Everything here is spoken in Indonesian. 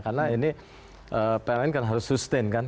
karena ini pln kan harus sustain kan